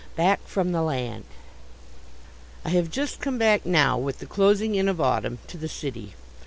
Back from the Land I have just come back now with the closing in of autumn to the city.